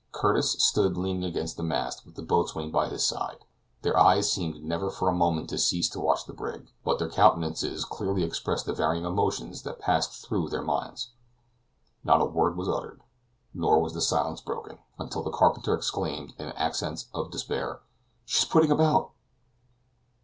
Curtis stood leaning against the mast, with the boatswain by his side; their eyes seemed never for a moment to cease to watch the brig, but their countenances clearly expressed the varying emotions that passed through their minds. Not a word was uttered, nor was the silence broken, until the carpenter exclaimed, in accents of despair: "She's putting about!"